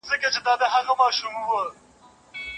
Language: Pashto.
کو چېدلي له محفله پیالې ډکي پیمانه دي